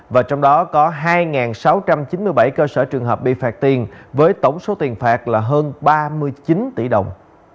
và trong đó có hai sáu trăm chín mươi bảy cơ sở trường hợp bị phạt tiền với tổng số tiền phạt là hơn ba mươi chín tỷ đồng